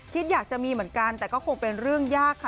คิดอยากจะมีเหมือนกันแต่ก็คงเป็นเรื่องยากค่ะ